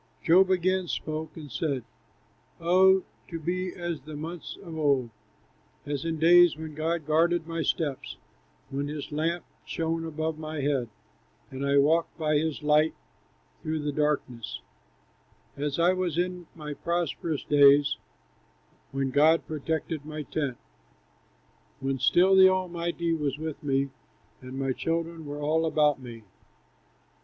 Job again spoke and said: "Oh, to be as in months of old, As in days when God guarded my steps, When his lamp shone above my head, And I walked by his light through the darkness; As I was in my prosperous days, When God protected my tent; When still the Almighty was with me, And my children were all about me!